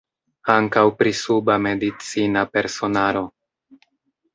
Ankaŭ pri suba medicina personaro.